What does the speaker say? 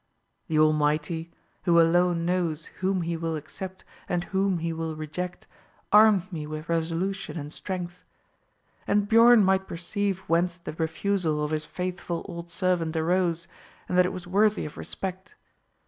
The Almighty, who alone knows whom He will accept and whom He will reject, armed me with resolution and strength. And Biorn might perceive whence the refusal of his faithful old servant arose, and that it was worthy of respect.